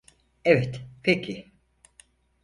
Evet, peki.